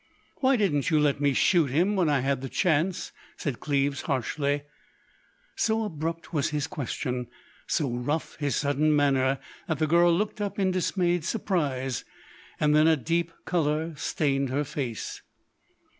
"Why didn't you let me shoot him when I had the chance?" said Cleves harshly. So abrupt was his question, so rough his sudden manner, that the girl looked up in dismayed surprise. Then a deep colour stained her face.